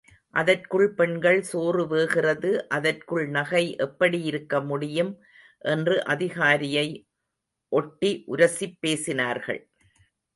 அதற்குள் பெண்கள், சோறு வேகிறது, அதற்குள் நகை எப்படி இருக்க முடியும் என்று அதிகாரியை ஒட்டி உரசிப் பேசினார்கள்.